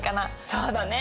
そうだね。